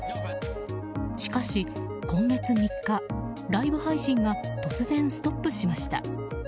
しかし、今月３日ライブ配信が突然ストップしました。